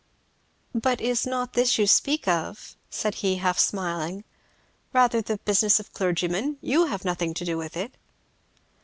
"But is not this you speak of," said he, half smiling, "rather the business of clergymen? you have nothing to do with it?"